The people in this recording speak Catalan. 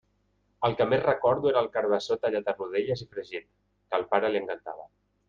El que més recordo era el carabassó tallat a rodelles i fregit, que al pare li encantava.